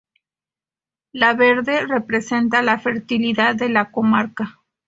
La verde, representa la fertilidad de la comarca.